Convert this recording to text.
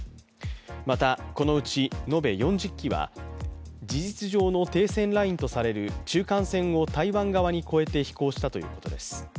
また、このうち延べ４０機は、事実上の停戦ラインとされる中間線を台湾側に越えて飛行したということです。